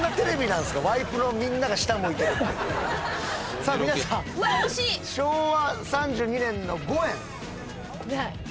さあ皆さん昭和３２年の五円。